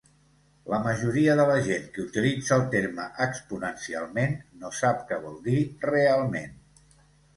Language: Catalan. La majoria de la gent que utilitza el terme "exponencialment" no sap què vol dir realment.